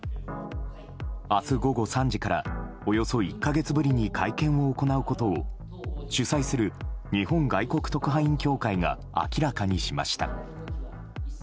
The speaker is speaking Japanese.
明日午後３時からおよそ１か月ぶりに会見を行うことを主催する日本外国特派員協会が明らかにしました。